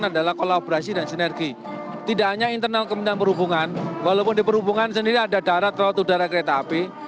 dan itu adalah kolaborasi dan sinergi tidak hanya internal kementerian perhubungan walaupun di perhubungan sendiri ada darat laut udara kereta api